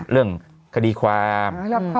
เรื่องคดีความ